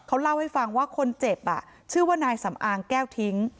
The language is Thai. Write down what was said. เขาเล่าให้ฟังว่าคนเจ็บชื่อว่านายสำอางแก้วทิ้ง